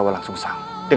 tapi kandang yakin